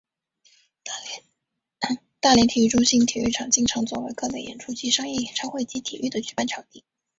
大连体育中心体育场经常作为各类演出及商业演唱会及体育的举办场地。